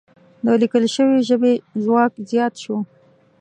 د لیکل شوې ژبې ځواک زیات شو.